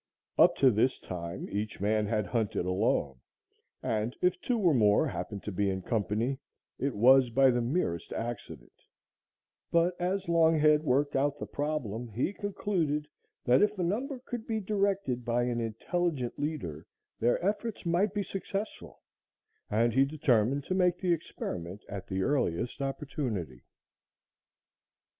Up to this time each man had hunted alone, and if two or more happened to be in company, it was by the merest accident; but, as Longhead worked out the problem, he concluded that if a number could be directed by an intelligent leader, their efforts might be successful, and he determined to make the experiment at the earliest opportunity.